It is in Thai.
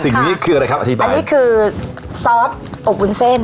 สิ่งนี้คืออะไรครับอธิบายอันนี้คือซอสอบวุ้นเส้น